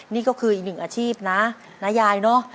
นี่ก็คืออีกหนึ่งอาชีพนะนะยายเนอะ